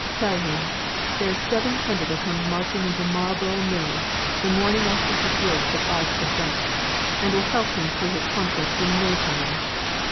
Tell him, there's seven hundred 'll come marching into Marlborough Mills, the morning after he gives the five per cent., and will help him through his contract in no time.